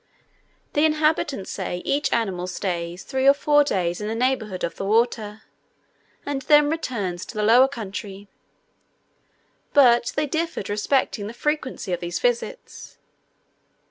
The inhabitants say each animal stays three or four days in the neighbourhood of the water, and then returns to the lower country; but they differed respecting the frequency of these visits.